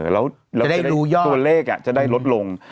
แล้วก็ตัวเลขจะได้ลดลง